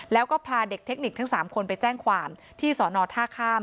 แล้วก็พาเด็กเทคนิคทั้ง๓คนไปแจ้งความที่สอนอท่าข้าม